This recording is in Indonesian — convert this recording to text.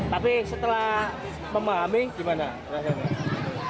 tapi setelah memahami gimana rasanya